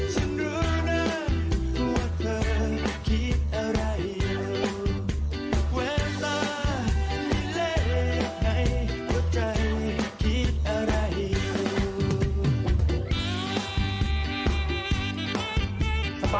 สวัสดีครับ